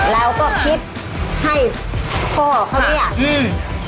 เราก็คิดให้พ่อเขาเรียก